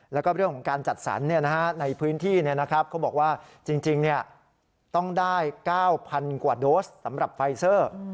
แล้วก็เรื่องของการจัดสรรในพื้นที่เขาบอกว่าจริงต้องได้๙๐๐กว่าโดสสำหรับไฟเซอร์